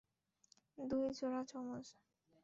দুই জোড়া যমজ।